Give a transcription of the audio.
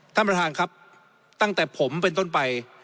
ท่านประธานครับตั้งแต่ผมเป็นต้นไป